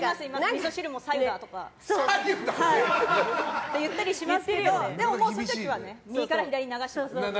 みそ汁も白湯だとか言ったりしますけどでも、そういう時は右から左に流して。